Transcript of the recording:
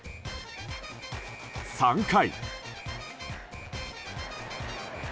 ３回。